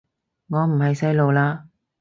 我唔係細路喇